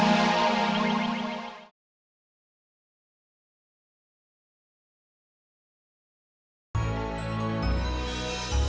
berita terkini mengenai cuaca ekstrem dua ribu dua puluh satu